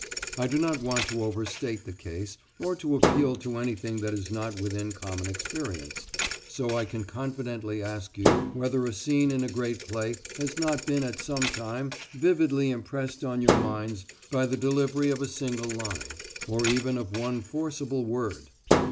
I do not want to overstate the case, or to appeal to anything that is not within common experience, so I can confidently ask you whether a scene in a great play has not been at some time vividly impressed on your minds by the delivery of a single line, or even of one forcible word.